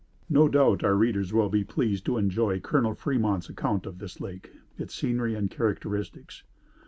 No doubt our readers will be pleased to enjoy Colonel Fremont's account of this lake, its scenery and characteristics.